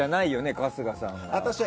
春日さんは。